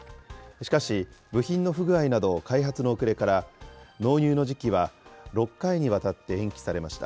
しかし、部品の不具合など開発の遅れから、納入の時期は６回にわたって延期されました。